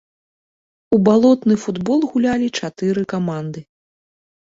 У балотны футбол гулялі чатыры каманды.